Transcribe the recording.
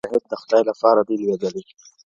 مجاهد د خداى لپاره دى لوېــدلى